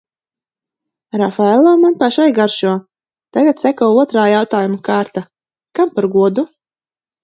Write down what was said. Rafaello man pašai garšo. Tagad seko otrā jautājumu kārta – kam par godu?